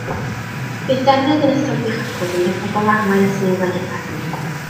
Bydd defnydd yn ystod beichiogrwydd yn debygol o arwain at niwed i'r babi.